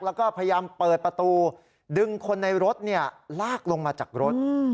แล้วก็พยายามเปิดประตูดึงคนในรถลากลงมาจากรถ